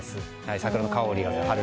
桜の香りがする。